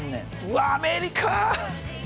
うわアメリカ！